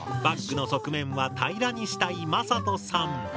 バッグの側面は平らにしたいまさとさん。